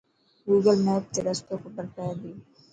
گوگل ميپ تي رستو خبر پئي تي.